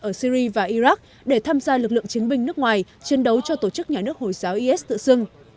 ở syri và iraq để tham gia lực lượng chiến binh nước ngoài chiến đấu cho tổ chức nhà nước hồi giáo is tự xưng